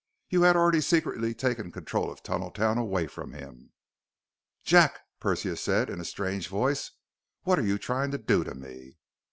You had already secretly taken control of Tunneltown away from him." "Jack," Persia said in a strange voice, "what are you trying to do to me?"